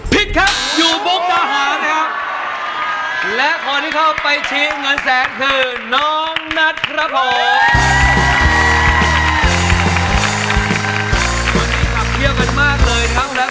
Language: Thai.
ตั้งแต่ก็ต้องขอขอบคุณลักษณ์นะคะวันนี้เก่งมากครับ